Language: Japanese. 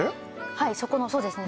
はいそこのそうですね